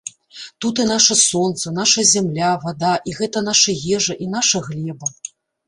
Тут і наша сонца, наша зямля, вада, і гэта наша ежа і наша глеба.